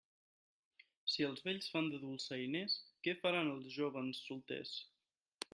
Si els vells fan de dolçainers, què faran els jóvens solters?